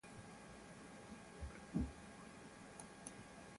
However, from the ocean depths, the Decepticons' own city, Trypticon, rises.